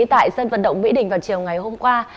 tại sân vận động mỹ đình vào chiều ngày hôm qua